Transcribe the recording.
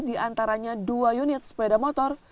di antaranya dua unit sepeda motor